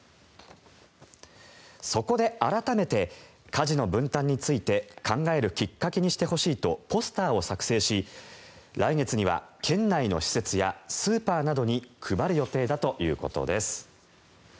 そこで改めて家事の分担について考えるきっかけにしてほしいとポスターを作成し来月には県内の施設やスーパーなどに配る予定だということです。